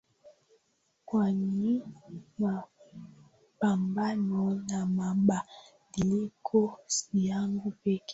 kwani mapambano na mabadiliko si yangu pekee